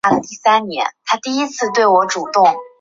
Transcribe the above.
邱进益早年毕业于国立政治大学外交系。